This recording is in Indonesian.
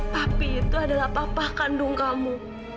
tapi itu adalah papa kandung kamu